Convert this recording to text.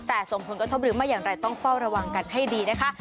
แต่ส่งผลกระทบหรือไม่อย่างไรต้องเฝ้าระวังกันให้ดีนะคะ